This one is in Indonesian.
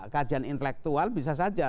kajian intelektual bisa saja